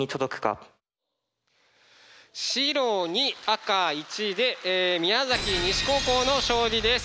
白２赤１で宮崎西高校の勝利です。